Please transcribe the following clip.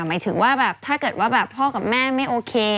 หมายถึงว่าแบบถ้าเกิดว่าแบบพ่อกับแม่ไม่โอเค